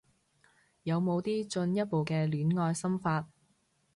有冇啲進一步嘅戀愛心法